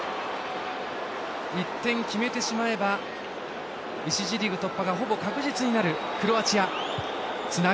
１点、決めてしまえば１次リーグ突破がほぼ確実になるクロアチア。